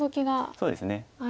そうですね。